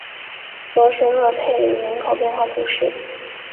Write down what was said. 罗什勒佩鲁人口变化图示